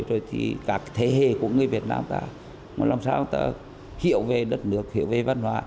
rồi thì các thế hệ của người việt nam ta mà làm sao ta hiểu về đất nước hiểu về văn hóa